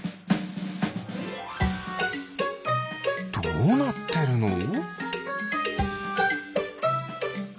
どうなってるの？